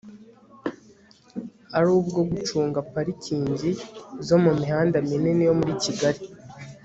ari ubwo gucunga parikingi zo ku mihanda minini yo muri kigali